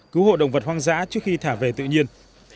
cứu hộ động vật hoang dã trước khi thả về tự nhiên